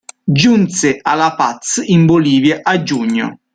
Giunse a La Paz, in Bolivia, a giugno.